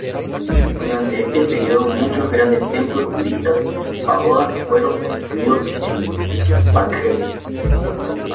Durante este período, muchos grandes templos budistas y pagodas fueron construidos en Baekje.